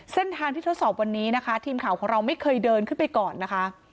เส้นทางที่ทดสอบวันนี้นะคะทีมข่าวของเราไม่เคยเดินขึ้นไปก่อนนะคะ